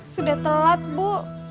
sudah telat bu